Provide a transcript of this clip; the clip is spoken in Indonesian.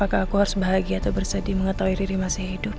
maka aku harus bahagia atau bersedih mengetahui diri masih hidup